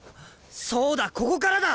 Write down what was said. そうだここからだ！